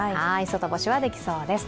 外干しはできそうです。